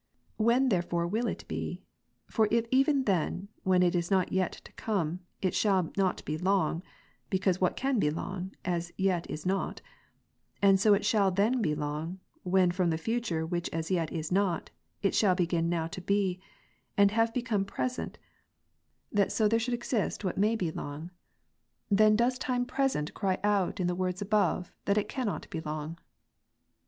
When therefore will it be ? For if even then, when it is yet to come, it shall not be long, (because what can be long, as yet is not,) and so it shall then be long, when from future which as yet is not, it shall begin now to be, and have become present, that so there should exist what may Grounds for thinking that time past and present do exist. 237 be long ; then does time present cry out in the words above, that it cannot be long.